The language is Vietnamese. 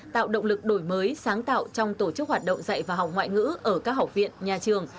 tạo động lực đổi mới sáng tạo trong tổ chức hoạt động dạy và học ngoại ngữ ở các học viện nhà trường